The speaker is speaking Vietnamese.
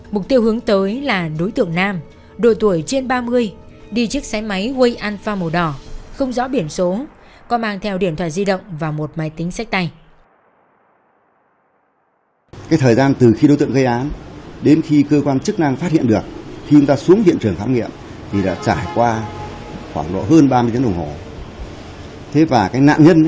mục tiêu hướng tới là đối tượng nam độ tuổi trên ba mươi đi chiếc xe máy quây alpha màu đỏ không rõ biển số có mang theo điện thoại di động và một máy tính sách tay